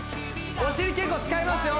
お尻結構使いますよ